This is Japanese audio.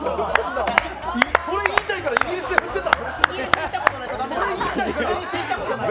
それ言いたいからイギリスで振った？